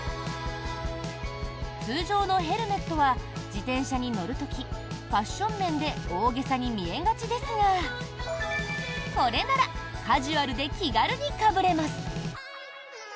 通常のヘルメットは自転車に乗る時ファッション面で大げさに見えがちですがこれならカジュアルで気軽にかぶれます。